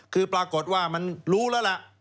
คือปรากฏว่ามันรู้แล้วล่ะ